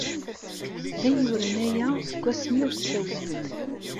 D ayyuren aya seg wasmi ur ssawlent.